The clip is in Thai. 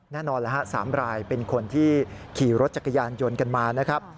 แน่นอนแล้วฮะ๓รายเป็นคนที่ขี่รถจักรยานยนต์กันมานะครับ